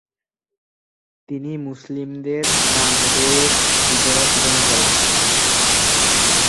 তিনি মুসলিমদের মাগরেব বিজয়ের সূচনা করেন।